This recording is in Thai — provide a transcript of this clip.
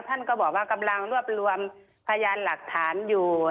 ท่านก็บอกว่ากำลังรวบรวมพยานหลักฐานอยู่